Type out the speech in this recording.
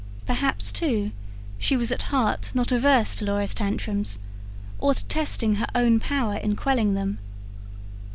Perhaps, too, she was at heart not averse to Laura's tantrums, or to testing her own power in quelling them.